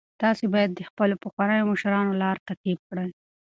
تاسي باید د خپلو پخوانیو مشرانو لار تعقیب کړئ.